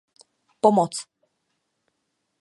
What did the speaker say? Pomoc!